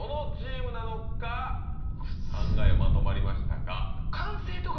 考えまとまりましたか？